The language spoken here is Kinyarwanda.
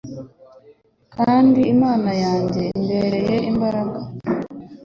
Kandi Imana yanjye imbereye imbaraga.»